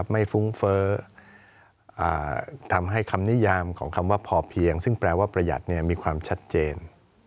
ฟุ้งเฟ้อทำให้คำนิยามของคำว่าพอเพียงซึ่งแปลว่าประหยัดมีความชัดเจน